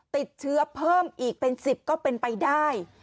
ติดเชื้อเพิ่มอีกเป็น๑๐ก็เป็นไปได้